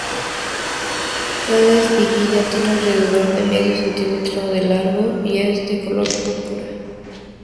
Cada espiguilla tiene alrededor de medio centímetro de largo y es de color púrpura.